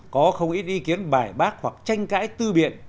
có không ít ý kiến bài bác hoặc tranh cãi tư biện